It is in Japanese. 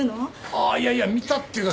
ああいやいや見たっていうか。